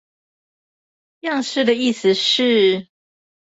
樣式的意思是？